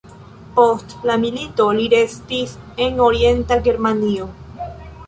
Post la milito li restis en Orienta Germanio.